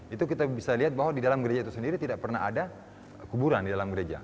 itu kita bisa lihat bahwa di dalam gereja itu sendiri tidak pernah ada kuburan di dalam gereja